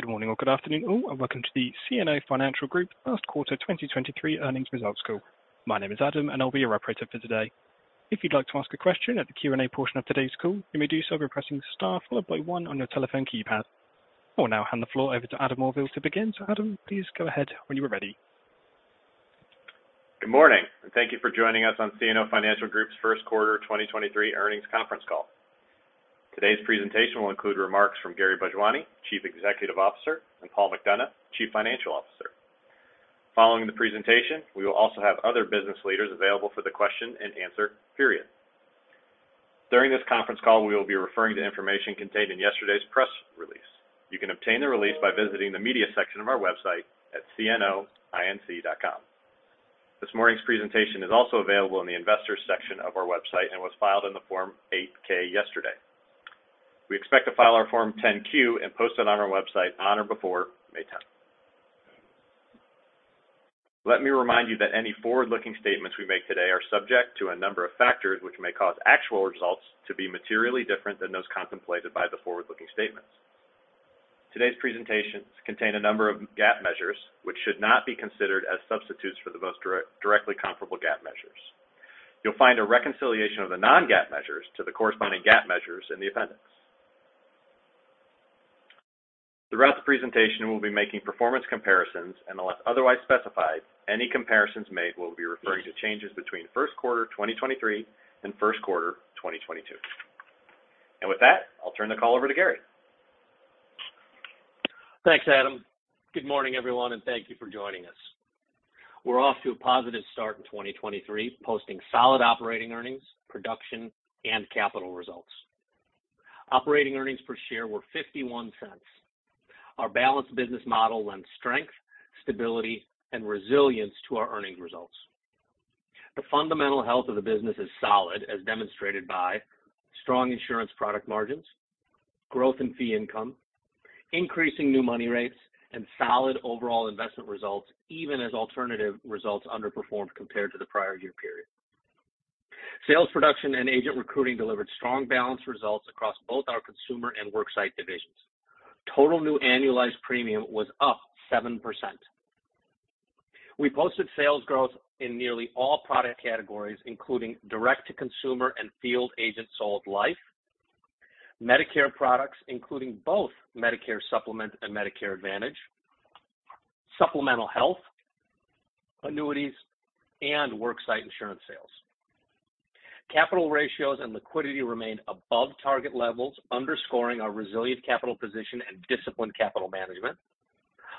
Good morning or good afternoon all, welcome to the CNO Financial Group First Quarter 2023 Earnings Results Call. My name is Adam, I'll be your operator for today. If you'd like to ask a question at the Q&A portion of today's call, you may do so by pressing star followed by 1 on your telephone keypad. I will now hand the floor over to Adam Auvil to begin. Adam, please go ahead when you are ready. Good morning, and thank you for joining us on CNO Financial Group's first quarter 2023 earnings conference call. Today's presentation will include remarks from Gary Bhojwani, Chief Executive Officer, and Paul McDonough, Chief Financial Officer. Following the presentation, we will also have other business leaders available for the question and answer period. During this conference call, we will be referring to information contained in yesterday's press release. You can obtain the release by visiting the Media section of our website at cnoinc.com. This morning's presentation is also available in the Investors section of our website and was filed in the Form 8-K yesterday. We expect to file our Form 10-Q and post it on our website on or before May tenth. Let me remind you that any forward-looking statements we make today are subject to a number of factors which may cause actual results to be materially different than those contemplated by the forward-looking statements. Today's presentations contain a number of GAAP measures, which should not be considered as substitutes for the most direct, directly comparable GAAP measures. You'll find a reconciliation of the non-GAAP measures to the corresponding GAAP measures in the appendix. Throughout the presentation, we'll be making performance comparisons, and unless otherwise specified, any comparisons made will be referring to changes between first quarter 2023 and first quarter 2022. With that, I'll turn the call over to Gary. Thanks, Adam. Good morning, everyone, thank you for joining us. We're off to a positive start in 2023, posting solid operating earnings, production, and capital results. Operating earnings per share were $0.51. Our balanced business model lends strength, stability, and resilience to our earnings results. The fundamental health of the business is solid, as demonstrated by strong insurance product margins, growth in fee income, increasing new money rates, and solid overall investment results, even as alternative results underperformed compared to the prior year period. Sales, production, and agent recruiting delivered strong balance results across both our consumer and worksite divisions. Total new annualized premium was up 7%. We posted sales growth in nearly all product categories, including direct-to-consumer and field agent-sold life, Medicare products, including both Medicare Supplement and Medicare Advantage, Supplemental Health, annuities, and worksite insurance sales. Capital ratios and liquidity remain above target levels, underscoring our resilient capital position and disciplined capital management.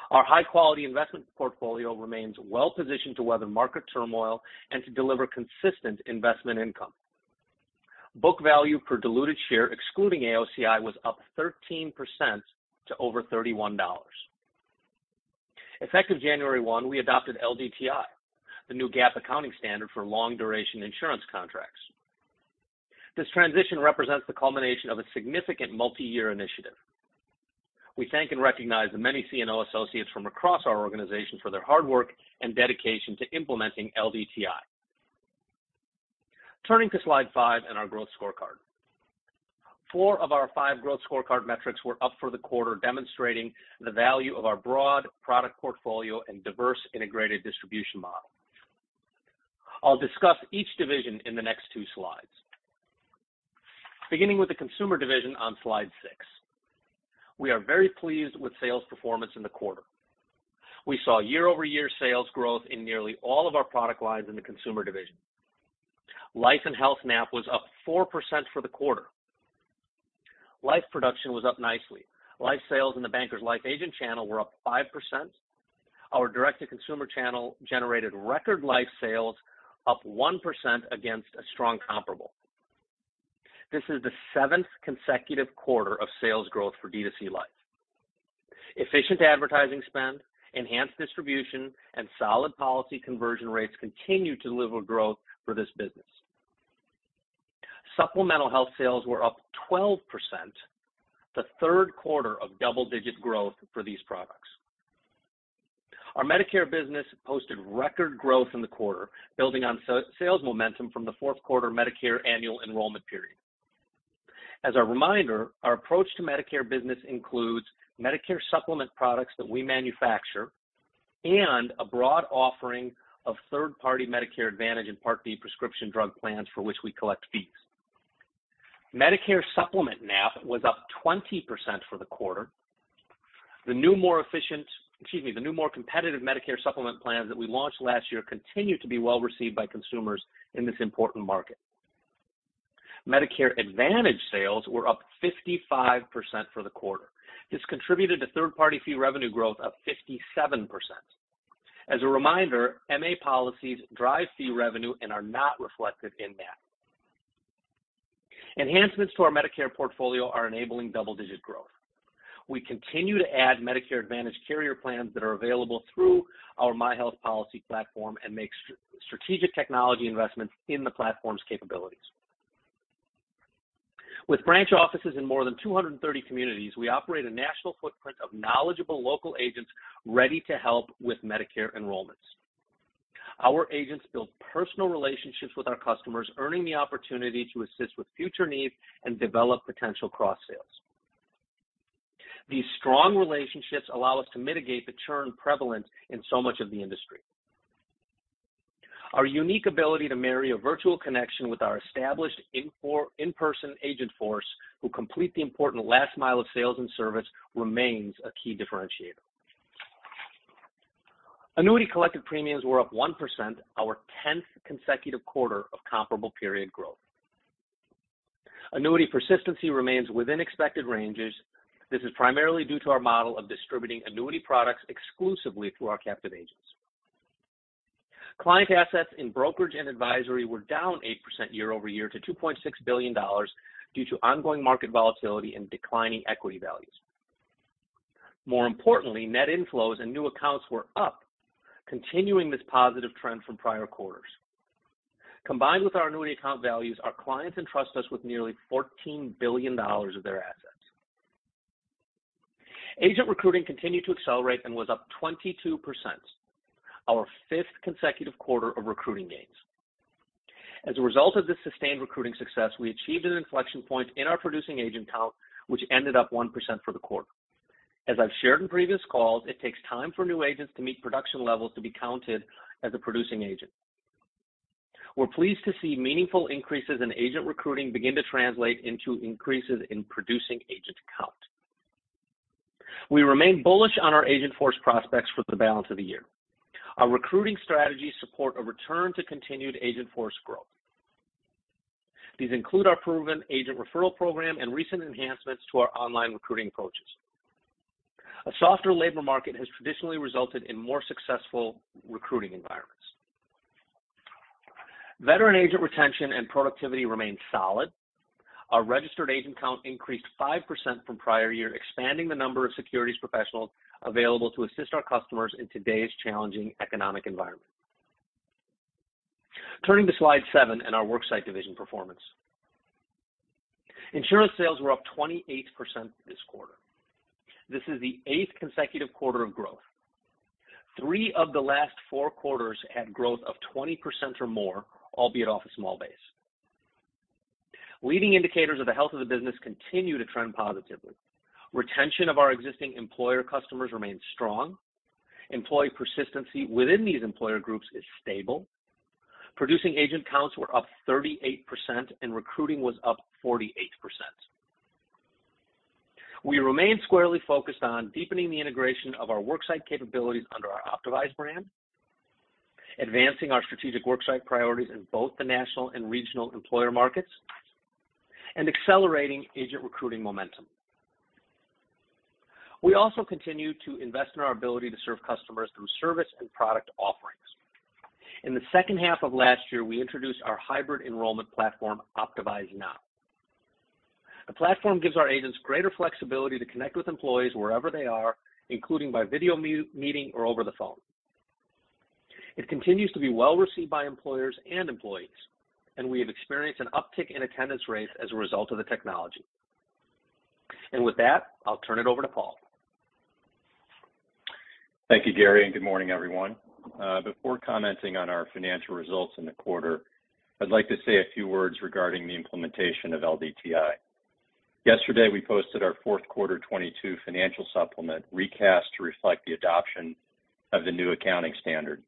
Our high-quality investment portfolio remains well positioned to weather market turmoil and to deliver consistent investment income. Book value per diluted share, excluding AOCI, was up 13% to over $31. Effective January 1, we adopted LDTI, the new GAAP accounting standard for long-duration insurance contracts. This transition represents the culmination of a significant multi-year initiative. We thank and recognize the many CNO associates from across our organization for their hard work and dedication to implementing LDTI. Turning to slide 5 and our growth scorecard. 4 of our 5 growth scorecard metrics were up for the quarter, demonstrating the value of our broad product portfolio and diverse integrated distribution model. I'll discuss each division in the next 2 slides. Beginning with the Consumer division on slide 6. We are very pleased with sales performance in the quarter. We saw year-over-year sales growth in nearly all of our product lines in the Consumer division. Life and Health NAP was up 4% for the quarter. Life production was up nicely. Life sales in the Bankers Life agent channel were up 5%. Our direct-to-consumer channel generated record life sales, up 1% against a strong comparable. This is the seventh consecutive quarter of sales growth for D2C Life. Efficient advertising spend, enhanced distribution, and solid policy conversion rates continue to deliver growth for this business. Supplemental Health sales were up 12%, the third quarter of double-digit growth for these products. Our Medicare business posted record growth in the quarter, building on sales momentum from the fourth quarter Medicare annual enrollment period. As a reminder, our approach to Medicare business includes Medicare Supplement products that we manufacture and a broad offering of third-party Medicare Advantage and Part D prescription drug plans for which we collect fees. Medicare Supplement NAP was up 20% for the quarter. The new, more efficient, excuse me, the new, more competitive Medicare Supplement plans that we launched last year continue to be well-received by consumers in this important market. Medicare Advantage sales were up 55% for the quarter. This contributed to third-party fee revenue growth up 57%. As a reminder, MA policies drive fee revenue and are not reflected in NAP. Enhancements to our Medicare portfolio are enabling double-digit growth. We continue to add Medicare Advantage carrier plans that are available through our myHealthPolicy.co platform and make strategic technology investments in the platform's capabilities. With branch offices in more than 230 communities, we operate a national footprint of knowledgeable local agents ready to help with Medicare enrollments. Our agents build personal relationships with our customers, earning the opportunity to assist with future needs and develop potential cross sales. These strong relationships allow us to mitigate the churn prevalent in so much of the industry. Our unique ability to marry a virtual connection with our established in-person agent force, who complete the important last mile of sales and service, remains a key differentiator. Annuity collected premiums were up 1%, our 10th consecutive quarter of comparable period growth. Annuity persistency remains within expected ranges. This is primarily due to our model of distributing annuity products exclusively through our captive agents. Client assets in brokerage and advisory were down 8% year-over-year to $2.6 billion due to ongoing market volatility and declining equity values. More importantly, net inflows and new accounts were up, continuing this positive trend from prior quarters. Combined with our annuity account values, our clients entrust us with nearly $14 billion of their assets. Agent recruiting continued to accelerate and was up 22%, our fifth consecutive quarter of recruiting gains. As a result of this sustained recruiting success, we achieved an inflection point in our producing agent count, which ended up 1% for the quarter. As I've shared in previous calls, it takes time for new agents to meet production levels to be counted as a producing agent. We're pleased to see meaningful increases in agent recruiting begin to translate into increases in producing agent count. We remain bullish on our agent force prospects for the balance of the year. Our recruiting strategies support a return to continued agent force growth. These include our proven agent referral program and recent enhancements to our online recruiting approaches. A softer labor market has traditionally resulted in more successful recruiting environments. Veteran agent retention and productivity remain solid. Our registered agent count increased 5% from prior year, expanding the number of securities professionals available to assist our customers in today's challenging economic environment. Turning to slide 7 and our worksite division performance. Insurance sales were up 28% this quarter. This is the 8th consecutive quarter of growth. 3 of the last 4 quarters had growth of 20% or more, albeit off a small base. Leading indicators of the health of the business continue to trend positively. Retention of our existing employer customers remains strong. Employee persistency within these employer groups is stable. Producing agent counts were up 38% and recruiting was up 48%. We remain squarely focused on deepening the integration of our worksite capabilities under our Optavise brand, advancing our strategic worksite priorities in both the national and regional employer markets, and accelerating agent recruiting momentum. We also continue to invest in our ability to serve customers through service and product offerings. In the second half of last year, we introduced our hybrid enrollment platform, Optavise Now. The platform gives our agents greater flexibility to connect with employees wherever they are, including by video meeting or over the phone. It continues to be well received by employers and employees, and we have experienced an uptick in attendance rates as a result of the technology. With that, I'll turn it over to Paul. Thank you, Gary, and good morning, everyone. Before commenting on our financial results in the quarter, I'd like to say a few words regarding the implementation of LDTI. Yesterday, we posted our fourth quarter 2022 financial supplement recast to reflect the adoption of the new accounting standard.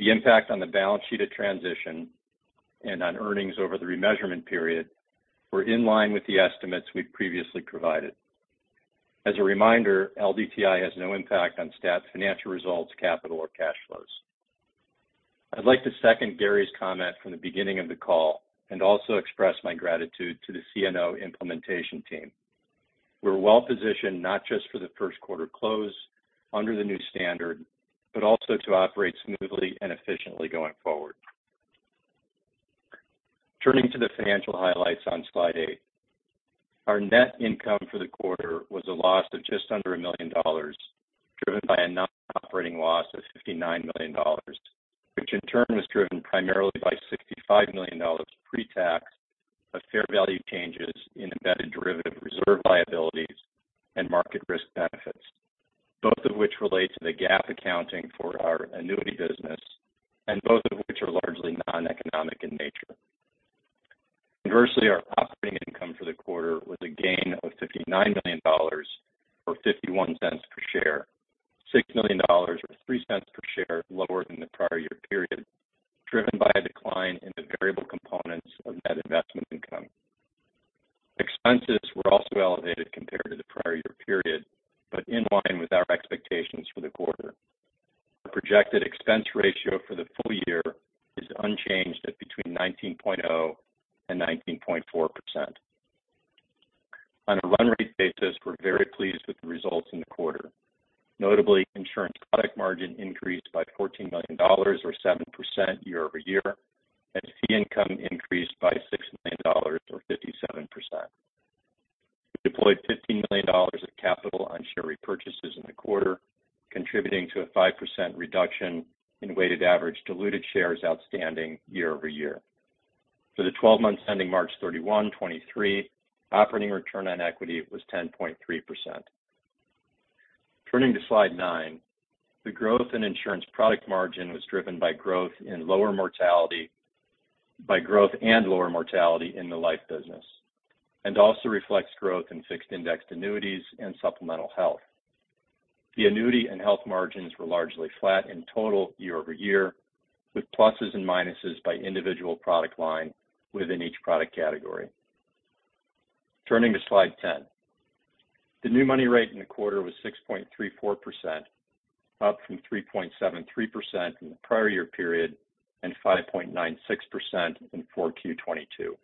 The impact on the balance sheet at transition and on earnings over the remeasurement period were in line with the estimates we've previously provided. As a reminder, LDTI has no impact on stat financial results, capital, or cash flows. I'd like to second Gary's comment from the beginning of the call and also express my gratitude to the CNO implementation team. We're well-positioned not just for the first quarter close under the new standard, but also to operate smoothly and efficiently going forward. Turning to the financial highlights on slide 8. Our net income for the quarter was a loss of just under $1 million, driven by a non-operating loss of $59 million, which in turn was driven primarily by $65 million pre-tax of fair value changes in embedded derivative reserve liabilities and market risk benefits, both of which relate to the GAAP accounting for our annuity business, and both of which are largely noneconomic in nature. Conversely, our operating income for the quarter was a gain of $59 million or $0.51 per share, $6 million or $0.03 per share lower than the prior year period, driven by a decline in the variable components of net investment income. Expenses were also elevated compared to the prior year period, but in line with our expectations for the quarter. Our projected expense ratio for the full year is unchanged at between 19.0% and 19.4%. On a run rate basis, we're very pleased with the results in the quarter. Notably, insurance product margin increased by $14 million or 7% year-over-year, and fee income increased by $6 million or 57%. We deployed $15 million of capital on share repurchases in the quarter, contributing to a 5% reduction in weighted average diluted shares outstanding year-over-year. For the 12 months ending March 31, 2023, operating return on equity was 10.3%. Turning to slide 9. The growth in insurance product margin was driven by growth and lower mortality in the life business, and also reflects growth in fixed-indexed annuities and supplemental health. The annuity and health margins were largely flat in total year-over-year, with pluses and minuses by individual product line within each product category. Turning to slide 10. The new money rate in the quarter was 6.34%, up from 3.73% in the prior year period and 5.96% in 4Q 2022.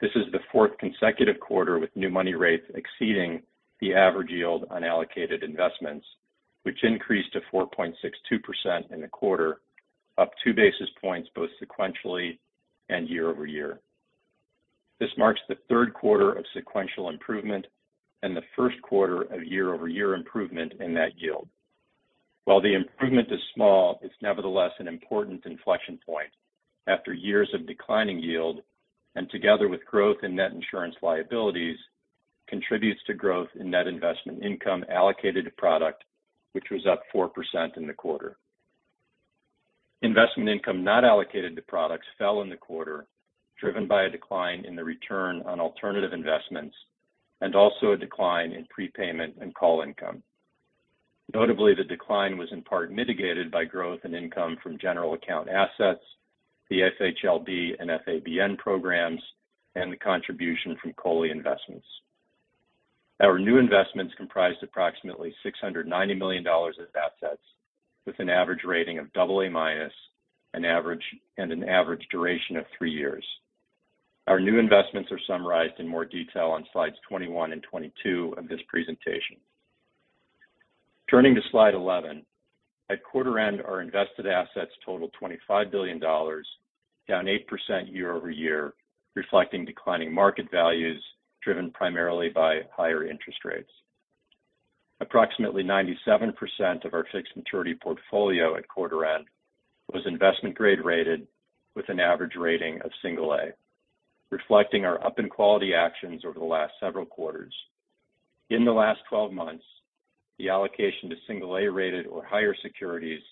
This is the fourth consecutive quarter with new money rates exceeding the average yield on allocated investments, which increased to 4.62% in the quarter, up 2 basis points both sequentially and year-over-year. This marks the third quarter of sequential improvement and the first quarter of year-over-year improvement in that yield. While the improvement is small, it's nevertheless an important inflection point after years of declining yield, and together with growth in net insurance liabilities, contributes to growth in net investment income allocated to product, which was up 4% in the quarter. Investment income not allocated to products fell in the quarter, driven by a decline in the return on alternative investments and also a decline in prepayment and call income. Notably, the decline was in part mitigated by growth in income from general account assets, the FHLB and FABN programs, and the contribution from COLI investments. Our new investments comprised approximately $690 million of assets with an average rating of AA- and an average duration of 3 years. Our new investments are summarized in more detail on slides 21 and 22 of this presentation. Turning to slide 11. At quarter end, our invested assets totaled $25 billion, down 8% year-over-year, reflecting declining market values driven primarily by higher interest rates. Approximately 97% of our fixed maturity portfolio at quarter end was investment grade rated with an average rating of single A, reflecting our up in quality actions over the last several quarters. In the last 12 months, the allocation to single A-rated or higher securities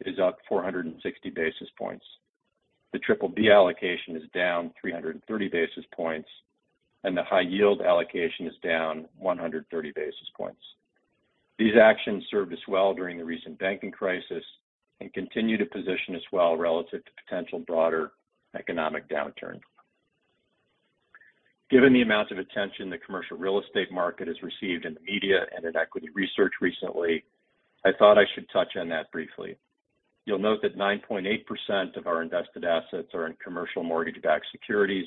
is up 460 basis points. The triple B allocation is down 330 basis points, and the high yield allocation is down 130 basis points. These actions served us well during the recent banking crisis and continue to position us well relative to potential broader economic downturn. Given the amount of attention the commercial real estate market has received in the media and in equity research recently, I thought I should touch on that briefly. You'll note that 9.8% of our invested assets are in commercial mortgage-backed securities,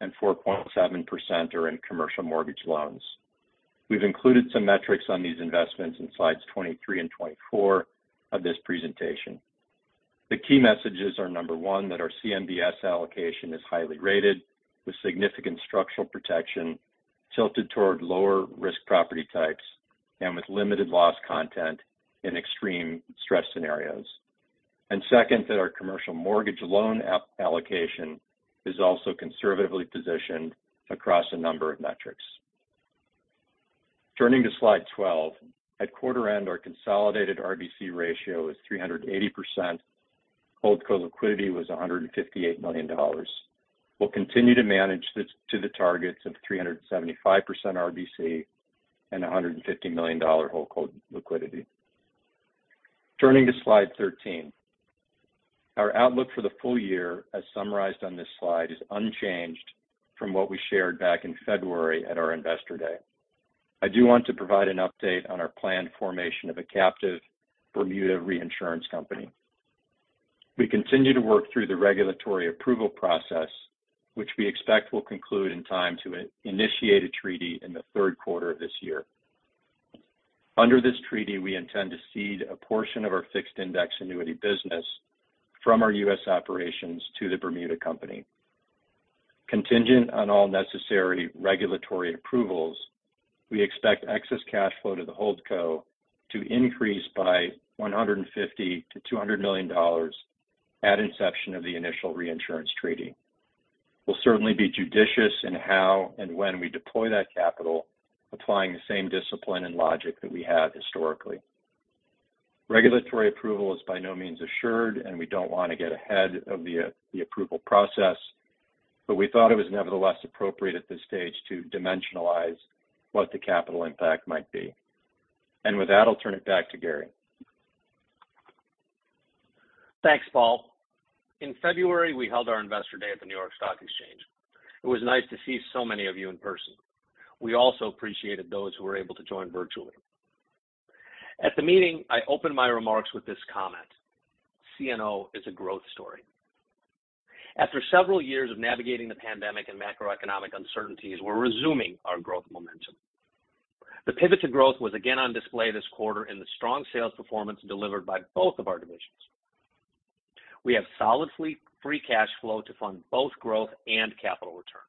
and 4.7% are in commercial mortgage loans. We've included some metrics on these investments in slides 23 and 24 of this presentation. The key messages are, number one, that our CMBS allocation is highly rated with significant structural protection, tilted toward lower risk property types, and with limited loss content in extreme stress scenarios. Second, that our commercial mortgage loan allocation is also conservatively positioned across a number of metrics. Turning to slide 12. At quarter end, our consolidated RBC ratio is 380%. HoldCo liquidity was $158 million. We'll continue to manage this to the targets of 375% RBC and $150 million HoldCo liquidity. Turning to slide 13. Our outlook for the full year, as summarized on this slide, is unchanged from what we shared back in February at our Investor Day. I do want to provide an update on our planned formation of a captive Bermuda reinsurance company. We continue to work through the regulatory approval process, which we expect will conclude in time to initiate a treaty in the 3rd quarter of this year. Under this treaty, we intend to cede a portion of our fixed index annuity business from our U.S. operations to the Bermuda company. Contingent on all necessary regulatory approvals, we expect excess cash flow to the HoldCo to increase by $150 million-$200 million at inception of the initial reinsurance treaty. We'll certainly be judicious in how and when we deploy that capital, applying the same discipline and logic that we have historically. Regulatory approval is by no means assured, we don't want to get ahead of the approval process, we thought it was nevertheless appropriate at this stage to dimensionalize what the capital impact might be. With that, I'll turn it back to Gary. Thanks, Paul. In February, we held our Investor Day at the New York Stock Exchange. It was nice to see so many of you in person. We also appreciated those who were able to join virtually. At the meeting, I opened my remarks with this comment: CNO is a growth story. After several years of navigating the pandemic and macroeconomic uncertainties, we're resuming our growth momentum. The pivot to growth was again on display this quarter in the strong sales performance delivered by both of our divisions. We have solidly free cash flow to fund both growth and capital return.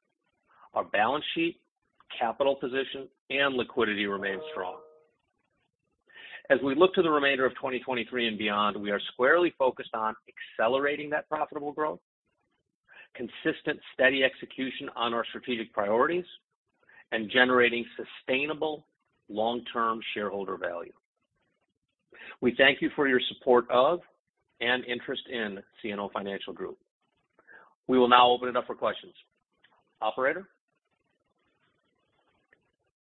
Our balance sheet, capital position, and liquidity remain strong. We look to the remainder of 2023 and beyond, we are squarely focused on accelerating that profitable growth. Consistent, steady execution on our strategic priorities and generating sustainable long-term shareholder value. We thank you for your support of and interest in CNO Financial Group. We will now open it up for questions. Operator?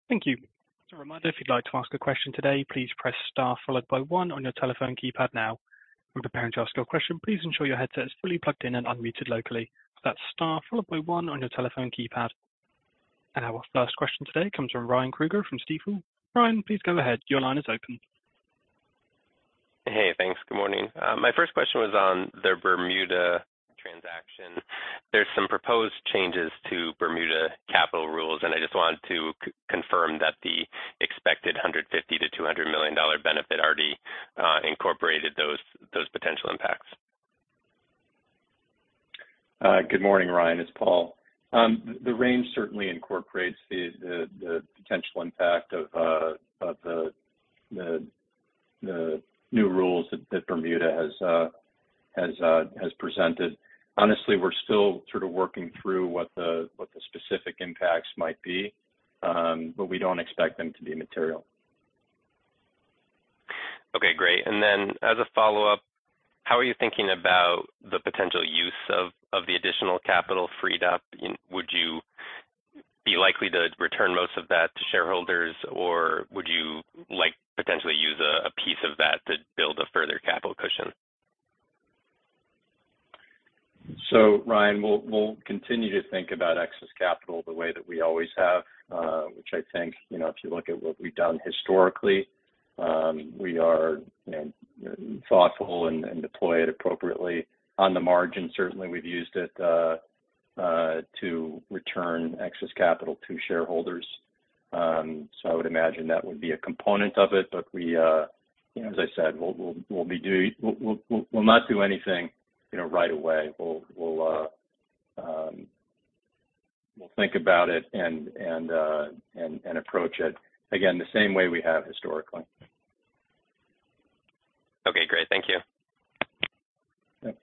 Thank you. As a reminder, if you'd like to ask a question today, please press star followed by 1 on your telephone keypad now. When preparing to ask your question, please ensure your headset is fully plugged in and unmuted locally. That's star followed by 1 on your telephone keypad. Our first question today comes from Ryan Krueger from Stifel. Ryan, please go ahead. Your line is open. Hey, thanks. Good morning. My first question was on the Bermuda transaction. There's some proposed changes to Bermuda capital rules, and I just wanted to confirm that the expected $150 million-$200 million benefit already incorporated those potential impacts. Good morning, Ryan. It's Paul. The range certainly incorporates the potential impact of the new rules that Bermuda has presented. Honestly, we're still sort of working through what the specific impacts might be, but we don't expect them to be material. Okay, great. As a follow-up, how are you thinking about the potential use of the additional capital freed up? Would you be likely to return most of that to shareholders, or would you, like, potentially use a piece of that to build a further capital cushion? Ryan, we'll continue to think about excess capital the way that we always have, which I think, you know, if you look at what we've done historically, we are, you know, thoughtful and deploy it appropriately. On the margin, certainly, we've used it to return excess capital to shareholders. So I would imagine that would be a component of it. We, you know, as I said, we'll not do anything, you know, right away. We'll think about it and approach it, again, the same way we have historically. Okay, great. Thank you. Yep.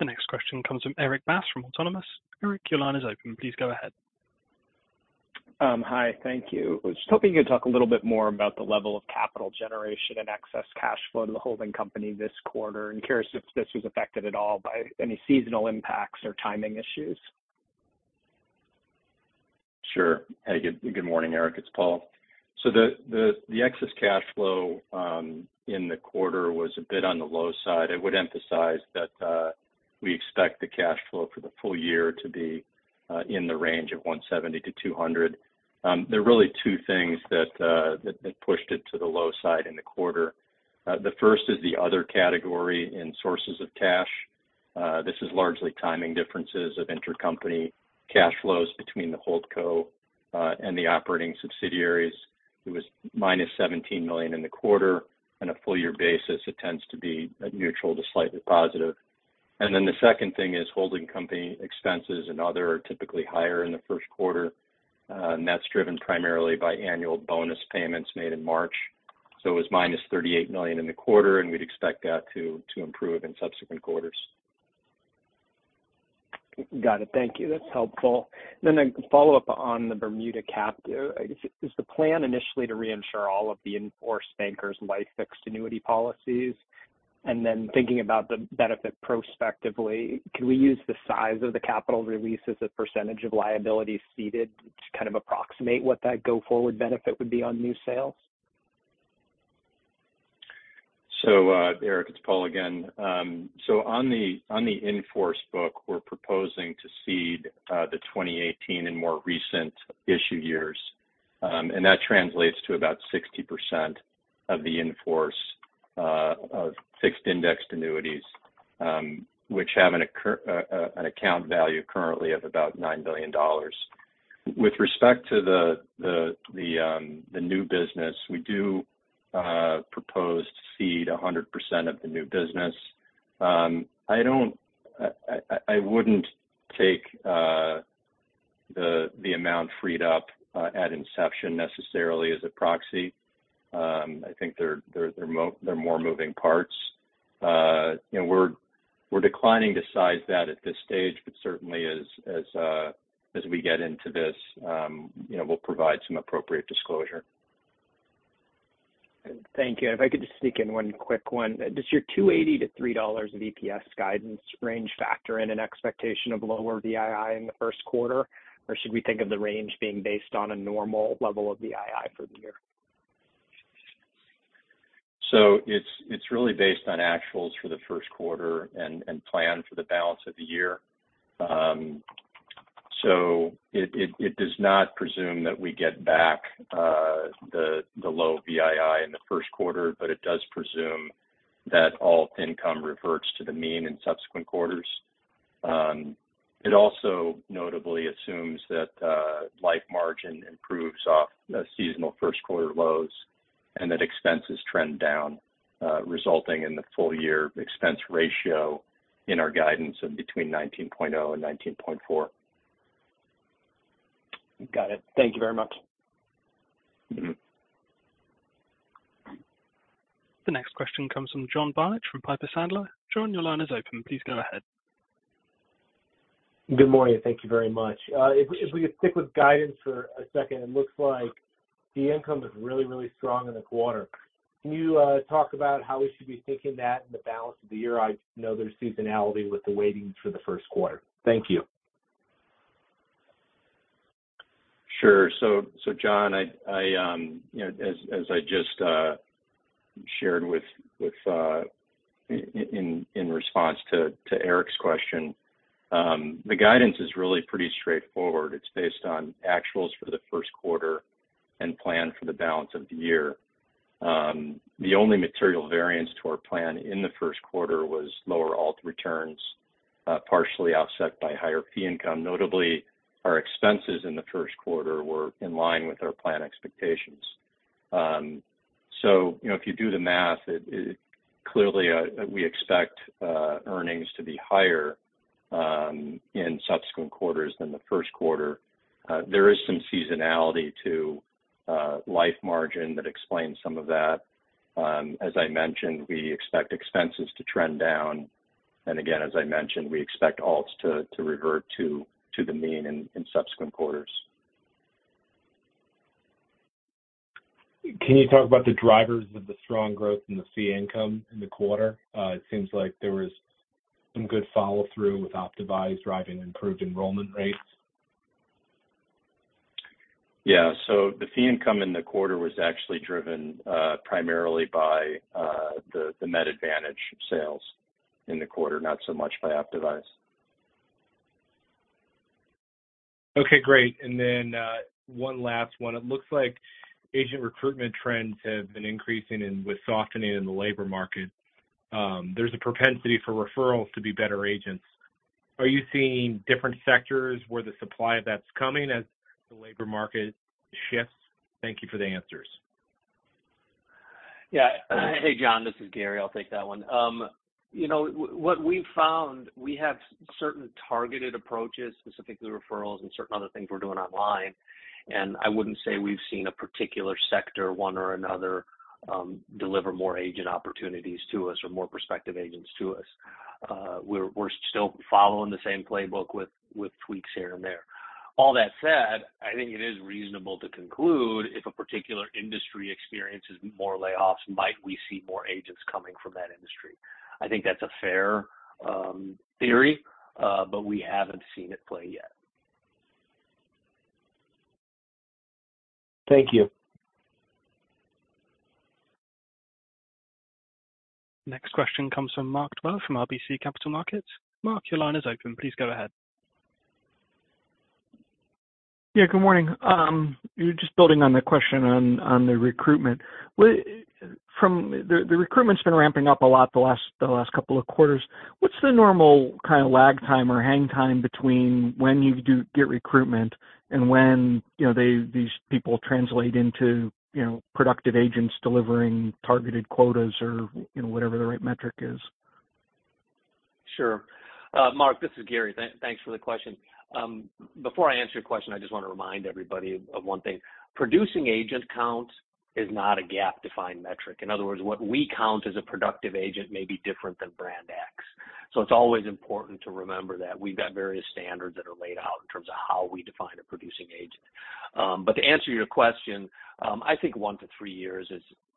The next question comes from Erik Bass from Autonomous. Erik, your line is open. Please go ahead. Hi. Thank you. I was hoping you could talk a little bit more about the level of capital generation and excess cash flow to the HoldCo this quarter. I'm curious if this was affected at all by any seasonal impacts or timing issues. Sure. Hey, good morning, Erik. It's Paul. The excess cash flow in the quarter was a bit on the low side. I would emphasize that we expect the cash flow for the full year to be in the range of $170 million-$200 million. There are really things that pushed it to the low side in the quarter. The first is the other category in sources of cash. This is largely timing differences of intercompany cash flows between the HoldCo and the operating subsidiaries. It was -$17 million in the quarter. On a full year basis, it tends to be neutral to slightly positive. The second thing is holding company expenses and other are typically higher in the first quarter, and that's driven primarily by annual bonus payments made in March. It was minus $38 million in the quarter, and we'd expect that to improve in subsequent quarters. Got it. Thank you. That's helpful. A follow-up on the Bermuda cap. Is the plan initially to reinsure all of the in-force Bankers Life fixed annuity policies? Thinking about the benefit prospectively, can we use the size of the capital release as a percentage of liability ceded to kind of approximate what that go-forward benefit would be on new sales? Eric Johnson, it's Paul McDonough again. On the in-force book, we're proposing to cede the 2018 and more recent issue years, and that translates to about 60% of the in-force of fixed indexed annuities, which have an account value currently of about $9 billion. With respect to the new business, we do propose to cede 100% of the new business. I wouldn't take the amount freed up at inception necessarily as a proxy. I think there are more moving parts. You know, we're declining to size that at this stage, but certainly as we get into this, you know, we'll provide some appropriate disclosure. Thank you. If I could just sneak in one quick one. Does your $2.80-$3 of EPS guidance range factor in an expectation of lower variable investment income in the first quarter? Should we think of the range being based on a normal level of variable investment income for the year? It's really based on actuals for the first quarter and plan for the balance of the year. It does not presume that we get back the low variable investment income in the first quarter, but it does presume that all income reverts to the mean in subsequent quarters. It also notably assumes that life margin improves off the seasonal first quarter lows and that expenses trend down, resulting in the full year expense ratio in our guidance of between 19.0% and 19.4%. Got it. Thank you very much. Mm-hmm. The next question comes from John Barnidge from Piper Sandler. John, your line is open. Please go ahead. Good morning. Thank you very much. If we could stick with guidance for a second, it looks like the income was really, really strong in the quarter. Can you talk about how we should be thinking that in the balance of the year? I know there's seasonality with the weighting for the first quarter. Thank you. Sure. John, I, you know, as I just shared with in response to Erik's question, the guidance is really pretty straightforward. It's based on actuals for the first quarter and plan for the balance of the year. The only material variance to our plan in the first quarter was lower alt returns, partially offset by higher fee income. Notably, our expenses in the first quarter were in line with our plan expectations. You know, if you do the math, it clearly, we expect earnings to be higher in subsequent quarters than the first quarter. There is some seasonality to life margin that explains some of that. As I mentioned, we expect expenses to trend down. Again, as I mentioned, we expect alts to revert to the mean in subsequent quarters. Can you talk about the drivers of the strong growth in the fee income in the quarter? It seems like there was some good follow-through with Optavise driving improved enrollment rates. Yeah. The fee income in the quarter was actually driven primarily by the Med Advantage sales in the quarter, not so much by Optavise. Okay, great. One last one. It looks like agent recruitment trends have been increasing and with softening in the labor market, there's a propensity for referrals to be better agents. Are you seeing different sectors where the supply of that's coming as the labor market shifts? Thank you for the answers. Yeah. Hey, John, this is Gary. I'll take that one. You know, what we've found, we have certain targeted approaches, specifically referrals and certain other things we're doing online, and I wouldn't say we've seen a particular sector, one or another, deliver more agent opportunities to us or more prospective agents to us. We're still following the same playbook with tweaks here and there. All that said, I think it is reasonable to conclude if a particular industry experiences more layoffs, might we see more agents coming from that industry. I think that's a fair theory, but we haven't seen it play yet. Thank you. Next question comes from Mark Dwelle from RBC Capital Markets. Mark, your line is open. Please go ahead. Yeah, good morning. Just building on the question on the recruitment. The recruitment's been ramping up a lot the last couple of quarters. What's the normal kind of lag time or hang time between when you do get recruitment and when, you know, these people translate into, you know, productive agents delivering targeted quotas or, you know, whatever the right metric is? Sure. Mark, this is Gary. Thanks for the question. Before I answer your question, I just want to remind everybody of one thing. Producing agent count is not a GAAP-defined metric. In other words, what we count as a productive agent may be different than brand X. It's always important to remember that we've got various standards that are laid out in terms of how we define a producing agent. But to answer your question, I think 1-3 years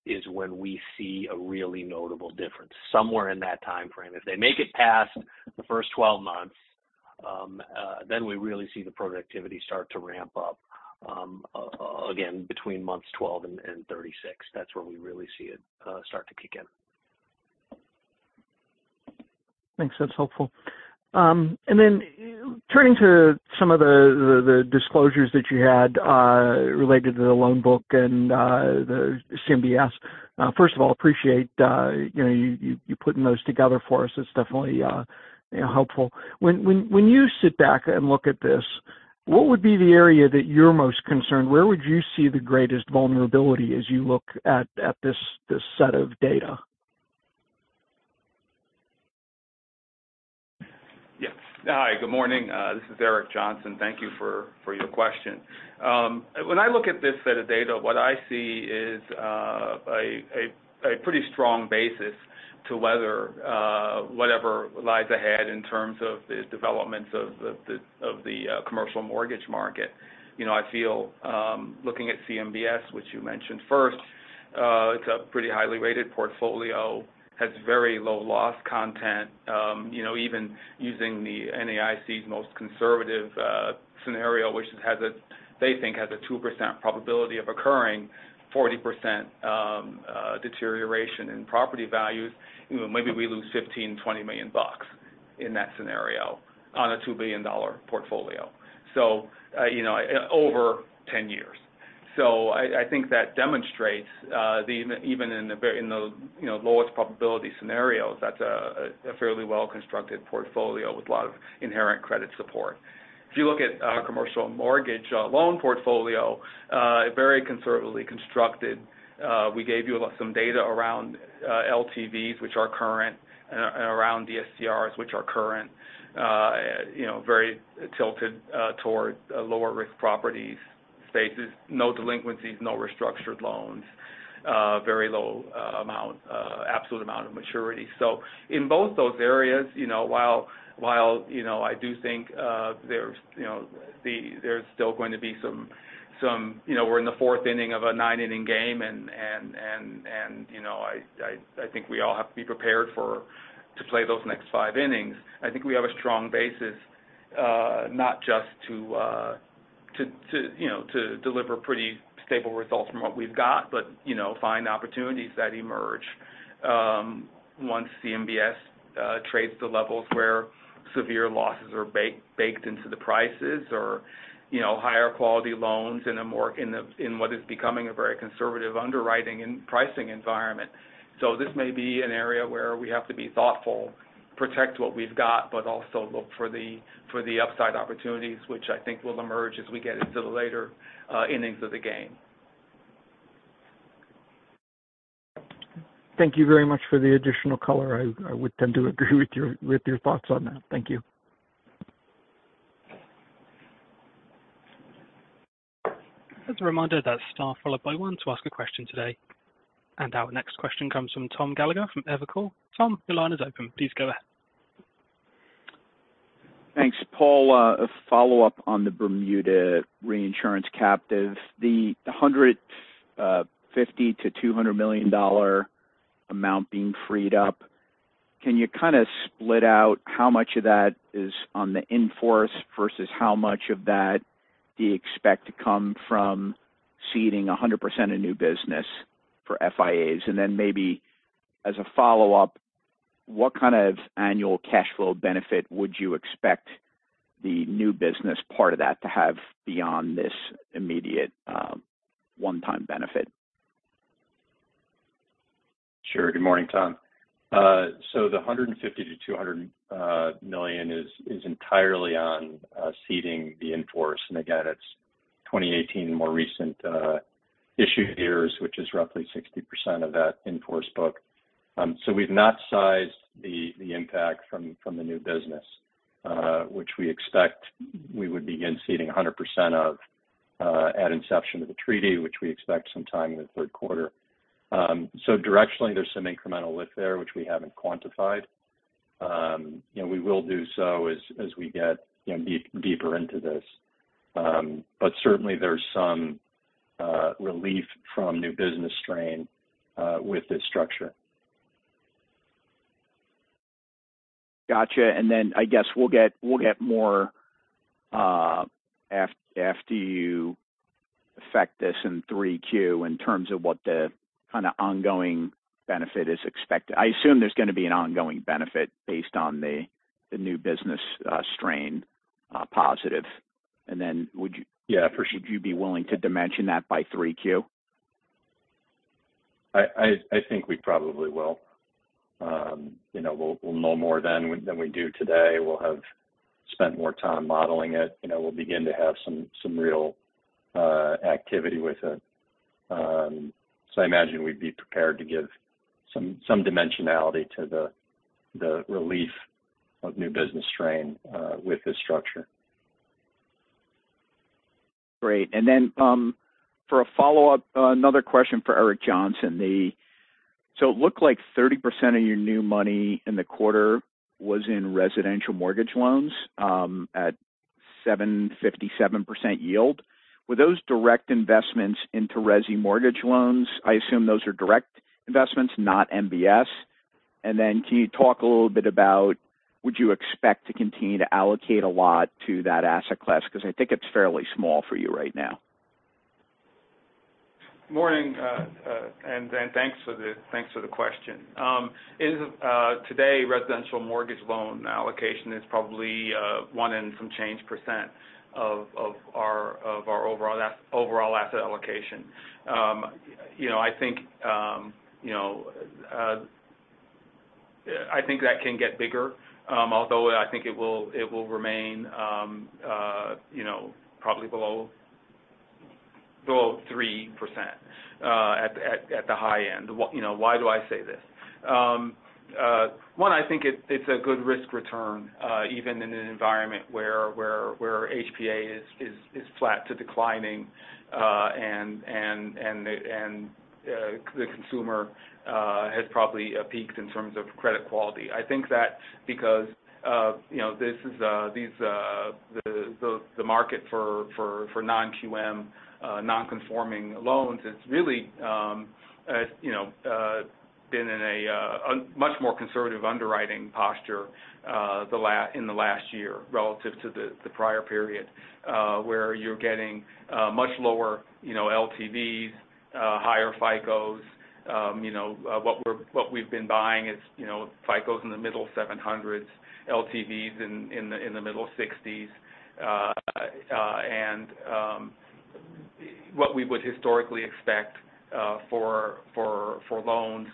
is when we see a really notable difference, somewhere in that timeframe. If they make it past the first 12 months, we really see the productivity start to ramp up, again between months 12 and 36. That's when we really see it start to kick in. Thanks. That's helpful. Turning to some of the, the disclosures that you had related to the loan book and the CMBS. First of all, appreciate, you know, you putting those together for us. It's definitely, you know, helpful. When you sit back and look at this, what would be the area that you're most concerned? Where would you see the greatest vulnerability as you look at this set of data? Hi, good morning. This is Eric Johnson. Thank you for your question. When I look at this set of data, what I see is a pretty strong basis to weather whatever lies ahead in terms of the developments of the commercial mortgage market. You know, I feel, looking at CMBS, which you mentioned first, it's a pretty highly rated portfolio, has very low loss content, you know, even using the NAIC's most conservative scenario, which they think has a 2% probability of occurring 40% deterioration in property values. You know, maybe we lose $15 million-$20 million in that scenario on a $2 billion portfolio. You know, over 10 years. I think that demonstrates, even in the very, you know, lowest probability scenarios, that's a fairly well-constructed portfolio with a lot of inherent credit support. If you look at commercial mortgage loan portfolio, very conservatively constructed. We gave you some data around LTVs which are current, and around the DSCRs which are current, you know, very tilted toward lower risk properties spaces. No delinquencies, no restructured loans. Very low amount, absolute amount of maturity. In both those areas, you know, while, you know, I do think there's, you know, there's still going to be some, you know, we're in the 4th inning of a 9-inning game and, you know, I, I think we all have to be prepared for to play those next 5 innings. I think we have a strong basis, not just to, you know, to deliver pretty stable results from what we've got, but, you know, find opportunities that emerge, once CMBS trades to levels where severe losses are baked into the prices or, you know, higher quality loans in what is becoming a very conservative underwriting and pricing environment. This may be an area where we have to be thoughtful, protect what we've got, but also look for the, for the upside opportunities, which I think will emerge as we get into the later innings of the game. Thank you very much for the additional color. I would tend to agree with your thoughts on that. Thank you. As a reminder, that's star followed by 1 to ask a question today. Our next question comes from Tom Gallagher from Evercore. Tom, your line is open. Please go ahead. Thanks. Paul, a follow-up on the Bermuda reinsurance captive. The $150 million-$200 million dollar amount being freed up, can you kind of split out how much of that is on the in-force versus how much of that do you expect to come from ceding 100% of new business for FIAs? Maybe as a follow-up, what kind of annual cash flow benefit would you expect the new business part of that to have beyond this immediate, one-time benefit? Sure. Good morning, Tom. The $150 million-$200 million is entirely on ceding the in-force. Again, it's 2018 more recent issue years, which is roughly 60% of that in-force book. We've not sized the impact from the new business, which we expect we would begin ceding 100% of at inception of the treaty, which we expect sometime in the third quarter. Directionally, there's some incremental lift there which we haven't quantified. You know, we will do so as we get, you know, deeper into this. Certainly there's some relief from new business strain with this structure. Gotcha. I guess we'll get more after you affect this in 3Q in terms of what the kind of ongoing benefit is expected. I assume there's gonna be an ongoing benefit based on the new business strain positive. Would you- Yeah, for sure. Would you be willing to dimension that by 3Q? I think we probably will. You know, we'll know more then than we do today. We'll have spent more time modeling it. You know, we'll begin to have some real activity with it. I imagine we'd be prepared to give some dimensionality to the relief of new business strain with this structure. Great. For a follow-up, another question for Eric Johnson. It looked like 30% of your new money in the quarter was in residential mortgage loans at 7.57% yield. Were those direct investments into resi mortgage loans? I assume those are direct investments, not MBS. Can you talk a little bit about would you expect to continue to allocate a lot to that asset class? Because I think it's fairly small for you right now. Morning, thanks for the question. Is today residential mortgage loan allocation is probably one and some change % of our overall asset allocation. You know, I think that can get bigger. Although I think it will remain, you know, probably below 3% at the high end. You know, why do I say this? One, I think it's a good risk return, even in an environment where HPA is flat to declining, and the consumer has probably peaked in terms of credit quality. I think that because, you know, this is, these, the market for non-QM, non-conforming loans, it's really, you know, been in a much more conservative underwriting posture in the last year relative to the prior period, where you're getting much lower, you know, LTVs, higher FICOs. You know, what we've been buying is, you know, FICOs in the middle 700s, LTVs in the middle 60s. And what we would historically expect for loans,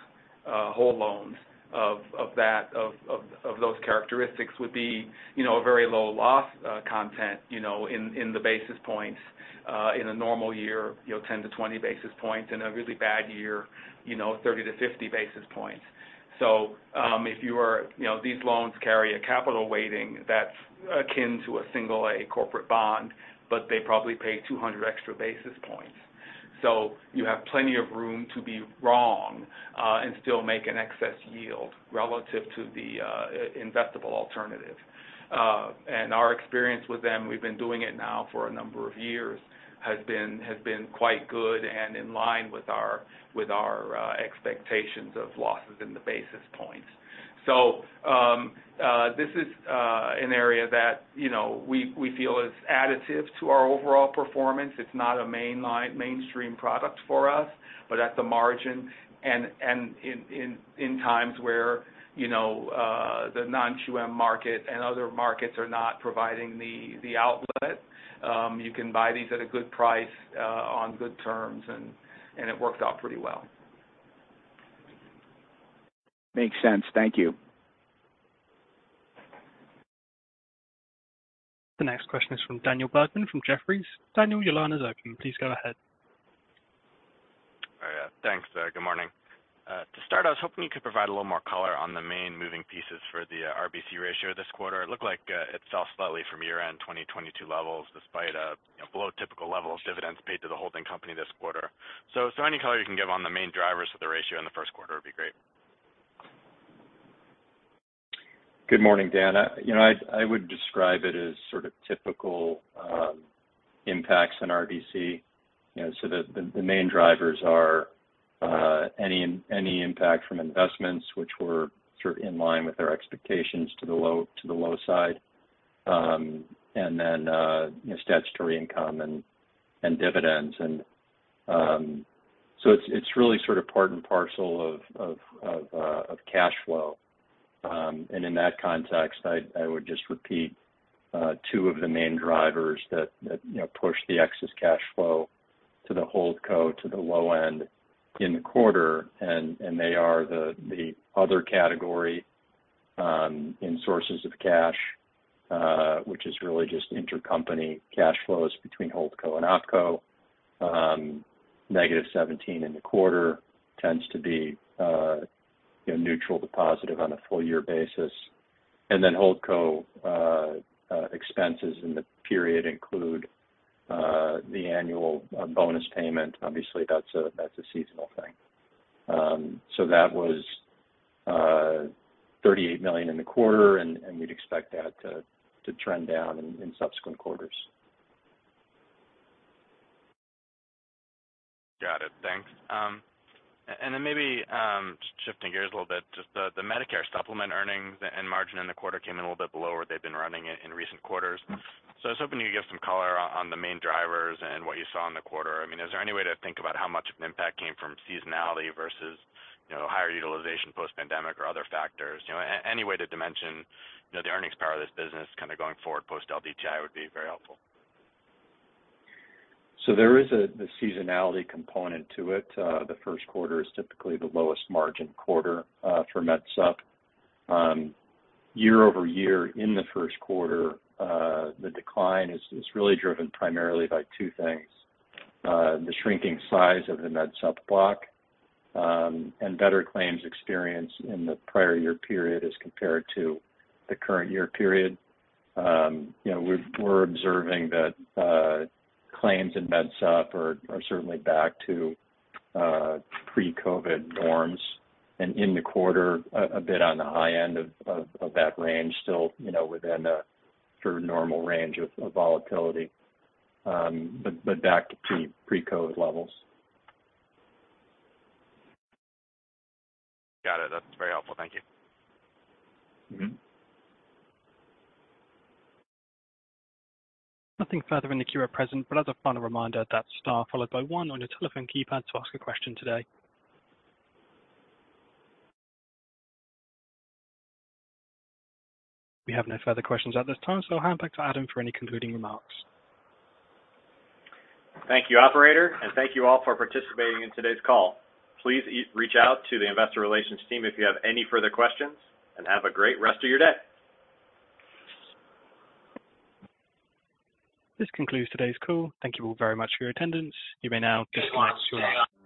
whole loans of that, of those characteristics would be, you know, a very low loss content, you know, in the basis points, in a normal year, you know, 10 to 20 basis points. In a really bad year. You know, 30-50 basis points. You know, these loans carry a capital weighting that's akin to a single A corporate bond, but they probably pay 200 extra basis points. You have plenty of room to be wrong, and still make an excess yield relative to the investable alternative. Our experience with them, we've been doing it now for a number of years, has been quite good and in line with our, with our, expectations of losses in the basis points. This is an area that, you know, we feel is additive to our overall performance. It's not a mainline mainstream product for us, but at the margin and in times where, you know, the non-QM market and other markets are not providing the outlet, you can buy these at a good price, on good terms, and it worked out pretty well. Makes sense. Thank you. The next question is from Daniel Bergman from Jefferies. Daniel, your line is open. Please go ahead. All right. Thanks. Good morning. To start, I was hoping you could provide a little more color on the main moving pieces for the RBC ratio this quarter. It looked like, it fell slightly from year-end 2022 levels despite, you know, below typical levels dividends paid to the holding company this quarter. Any color you can give on the main drivers of the ratio in the first quarter would be great. Good morning, Dan. You know, I would describe it as sort of typical impacts on RBC. You know, the main drivers are any impact from investments which were sort of in line with our expectations to the low side. Then, you know, statutory income and dividends. It's really sort of part and parcel of cash flow. In that context, I would just repeat 2 of the main drivers that, you know, push the excess cash flow to the HoldCo to the low end in the quarter. They are the other category in sources of cash, which is really just intercompany cash flows between HoldCo and opco. Negative 17 in the quarter tends to be neutral to positive on a full year basis. HoldCo expenses in the period include the annual bonus payment. Obviously, that's a seasonal thing. That was $38 million in the quarter, and we'd expect that to trend down in subsequent quarters. Got it. Thanks. Then maybe shifting gears a little bit, just the Medicare Supplement earnings and margin in the quarter came in a little bit below where they've been running in recent quarters. I was hoping you could give some color on the main drivers and what you saw in the quarter. I mean, is there any way to think about how much of an impact came from seasonality versus, you know, higher utilization post-pandemic or other factors? You know, any way to dimension, you know, the earnings power of this business kind of going forward post-LDTI would be very helpful. There is the seasonality component to it. The first quarter is typically the lowest margin quarter for Med Supp. Year-over-year in the first quarter, the decline is really driven primarily by 2 things, the shrinking size of the Med Supp block, and better claims experience in the prior year period as compared to the current year period. You know, we're observing that claims in Med Supp are certainly back to pre-COVID norms. In the quarter a bit on the high end of that range still, you know, within a sort of normal range of volatility, but back to pre-COVID levels. Got it. That's very helpful. Thank you. Mm-hmm. Nothing further in the queue at present, but as a final reminder, that's star followed by 1 on your telephone keypad to ask a question today. We have no further questions at this time, so I'll hand back to Adam for any concluding remarks. Thank you, operator, and thank you all for participating in today's call. Please reach out to the investor relations team if you have any further questions, and have a great rest of your day. This concludes today's call. Thank you all very much for your attendance. You may now disconnect your line.